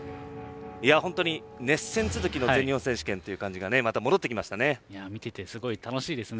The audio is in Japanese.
本当に熱戦続きの全日本選手権という感じが戻ってきましたね。